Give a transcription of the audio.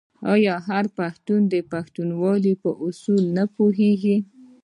آیا هر پښتون د پښتونولۍ په اصولو نه پوهیږي؟